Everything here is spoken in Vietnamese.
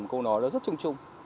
câu nói nó rất trung trung